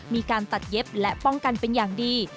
มีการตัดเย็บและป้องกันเป็นอย่างดี